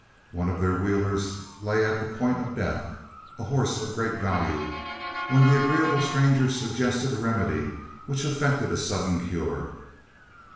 One of their wheelers lay at the point of death a horse of great value when the agreeable stranger suggested a remedy which effected a sudden cure.